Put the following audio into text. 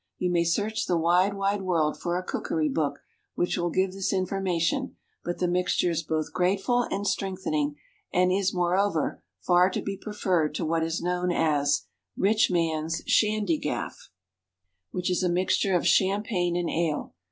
You may search the wide wide world for a cookery book which will give this information; but the mixture is both grateful and strengthening, and is, moreover, far to be preferred to what is known as Rich Man's Shandy Gaff, which is a mixture of champagne and ale.